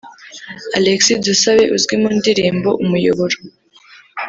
Alexis Dusabe uzwi mu ndirimbo Umuyoboro